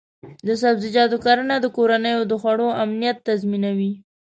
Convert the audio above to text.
د سبزیجاتو کرنه د کورنیو د خوړو امنیت تضمینوي.